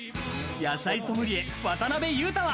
野菜ソムリエ・渡辺裕太は。